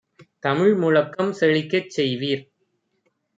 தமிழ் முழக்கம் செழிக்கச் செய்வீர்!